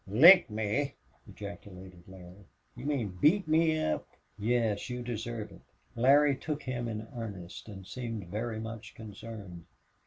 "Lick me!" ejaculated Larry. "You mean beat me up?" "Yes. You deserve it." Larry took him in earnest and seemed very much concerned.